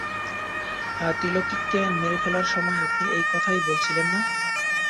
ত্রিলোকিকে মেরে ফেলার সময় আপনি এই কথাই বলেছিলেন না?